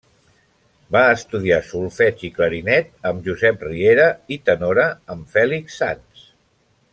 Va estudiar solfeig i clarinet amb Josep Riera i tenora amb Fèlix Sans.